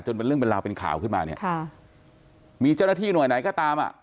เป็นเรื่องเป็นราวเป็นข่าวขึ้นมาเนี่ยค่ะมีเจ้าหน้าที่หน่วยไหนก็ตามอ่ะ